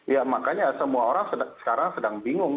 ya makanya semua orang sekarang sedang bingung